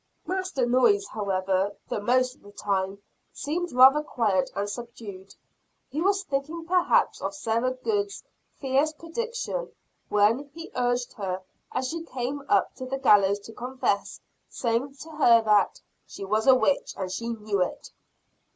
Master Noyes, however, the most of the time, seemed rather quiet and subdued. He was thinking perhaps of Sarah Good's fierce prediction, when he urged her, as she came up to the gallows to confess, saying to her that, "she was a witch, and she knew it!"